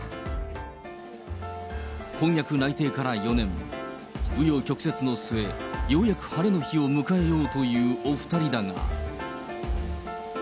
婚約内定から４年、う余曲折の末、ようやく晴れの日を迎えようというお２人だが。